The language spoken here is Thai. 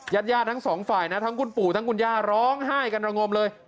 ญาติญาติทั้งสองฝ่ายนะทั้งคุณปู่ทั้งคุณย่าร้องไห้กันระงมเลย